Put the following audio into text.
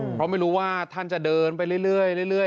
เพราะไม่รู้ว่าท่านจะเดินไปเรื่อย